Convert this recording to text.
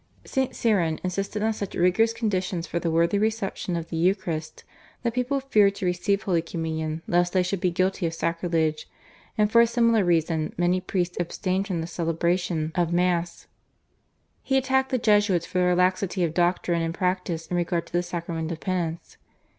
St. Cyran insisted on such rigorous conditions for the worthy reception of the Eucharist, that people feared to receive Holy Communion lest they should be guilty of sacrilege, and for a similar reason many priests abstained from the celebration of Mass. He attacked the Jesuits for their laxity of doctrine and practice in regard to the Sacrament of Penance.